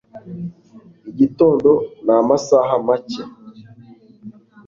Igitondo ni amasaha make.